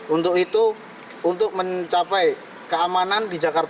untuk itu untuk mencapai keamanan